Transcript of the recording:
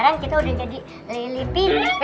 sekarang kita udah jadi lily ping